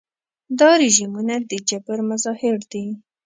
دا رژیمونه د جبر مظاهر دي.